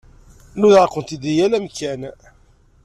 Nudaɣ-kent deg yal amkan.